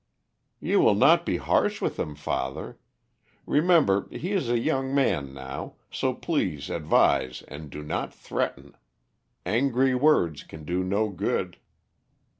"You will not be harsh with him, father. Remember, he is a young man now, so please advise and do not threaten. Angry words can do no good."